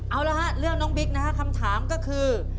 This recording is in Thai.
เอาแล้วเรื่องน้องบิ๊กคำถามก็คือ